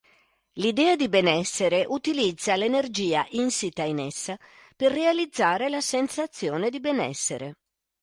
L'idea di benessere utilizza l'energia insita in essa per realizzare la sensazione di benessere.